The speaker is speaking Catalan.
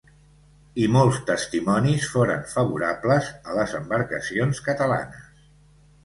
I molts testimonis foren favorables a les embarcacions catalanes.